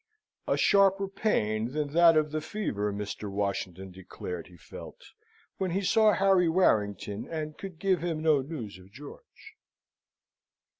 A sharper pain than that of the fever Mr. Washington declared he felt, when he saw Harry Warrington, and could give him no news of George.